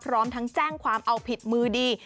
พร้อมทั้งแจ้งความเอาผิดมือดี